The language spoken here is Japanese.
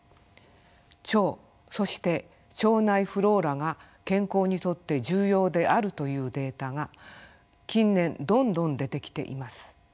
腸そして腸内フローラが健康にとって重要であるというデータが近年どんどん出てきています。